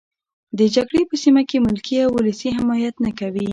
د جګړې په سیمه کې ملکي او ولسي حمایت نه کوي.